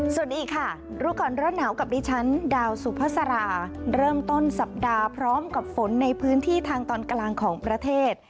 สวัสดีค่ะรู้ก่อนร้อนหนาวกับดิฉันดาวสุภาษาราเริ่มต้นสัปดาห์พร้อมกับฝนในพื้นที่ทางตอนกลางของประเทศ